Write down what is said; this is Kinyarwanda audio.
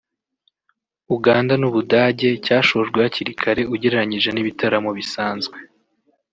Uganda n’u Budage cyashojwe hakiri kare ugereranije n’ibitaramo bisanzwe